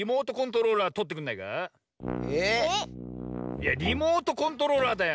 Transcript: いやリモートコントローラーだよ。